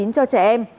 cho trẻ em